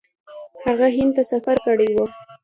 هغه هند ته سفر کړی و.